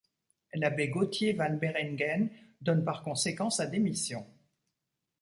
L'abbé Gauthier van Beringen donne par conséquent sa démission.